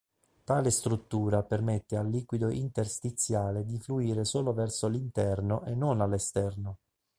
Tale struttura permette al liquido interstiziale di fluire solo verso l'interno e non all'esterno.